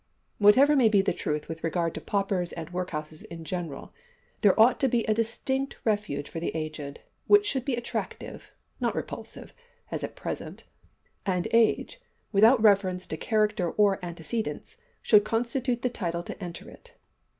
Whatever may be the truth with regard to paupers and workhouses in general, there ought to be a distinct refuge for the aged, which should be attractive not repulsive, as at present and age, without reference to character or antecedents, should constitute the title to enter it.